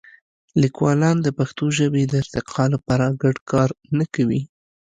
لیکوالان د پښتو ژبې د ارتقا لپاره ګډ کار نه کوي.